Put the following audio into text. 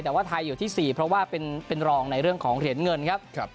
แต่ว่าไทยอยู่ที่๔เพราะว่าเป็นรองในเรื่องของเหรียญเงินครับ